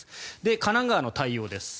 神奈川の対応です。